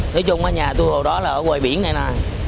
thế chung nhà tôi hồi đó là ở ngoài biển này nè